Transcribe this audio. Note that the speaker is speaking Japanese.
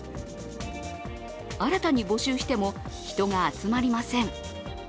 新たに募集しても人が集まりません。